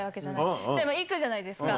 でも行くじゃないですか。